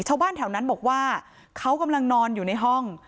ชาวบ้านแถวนั้นบอกว่าเขากำลังนอนอยู่ในห้อง